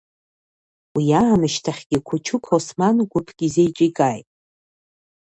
Уи аамышьҭахьгьы Қучуқ Осман гәыԥк изеиҿикааит.